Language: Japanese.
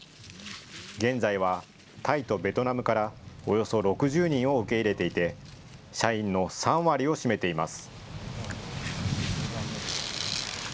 現在はタイとベトナムからおよそ６０人を受け入れていて社員の３割を占めています。